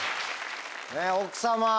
奥様！